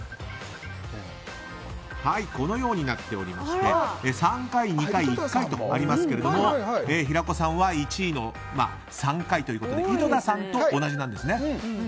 このようになっておりまして３回、２回、１回とありますが平子さんは１位の３回ということで井戸田さんと同じなんですね。